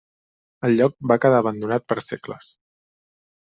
El lloc va quedar abandonat per segles.